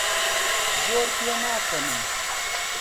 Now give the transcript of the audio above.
زۆر پێناکەنم.